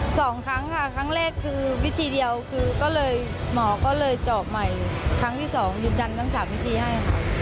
สองครั้งค่ะครั้งแรกคือวิธีเดียวคือก็เลยหมอก็เลยเจาะใหม่ครั้งที่สองยืนยันทั้งสามวิธีให้ค่ะ